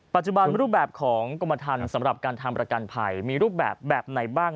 ปัจจุบันรูปแบบของกรมทันสำหรับการทำประกันภัยมีรูปแบบแบบไหนบ้าง